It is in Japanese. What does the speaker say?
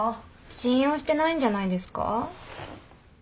信用してないんじゃないですか？